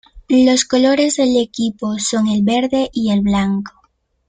Los colores del equipo son el verde y el blanco.